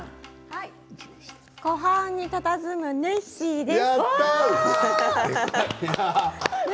湖畔にたたずむネッシーです。